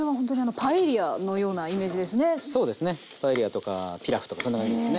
パエリアとかピラフとかそんな感じですね。